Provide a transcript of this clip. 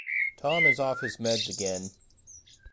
Tom is off his meds again.